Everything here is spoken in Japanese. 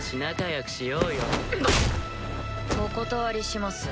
お断りします。